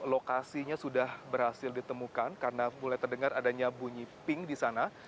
lokasinya sudah berhasil ditemukan karena mulai terdengar adanya bunyi ping di sana